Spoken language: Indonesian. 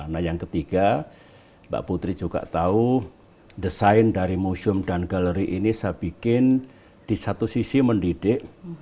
nah yang ketiga mbak putri juga tahu desain dari museum dan galeri ini saya bikin di satu sisi mendidik